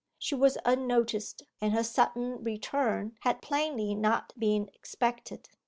She was unnoticed, and her sudden return had plainly not been expected.